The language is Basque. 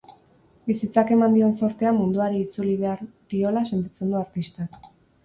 Bizitzak eman dion zortea munduari itzuli behar diola sentitzen du artistak.